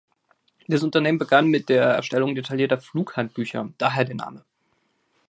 Das Unternehmen begann mit der Erstellung detaillierter Flughandbücher, daher der Name.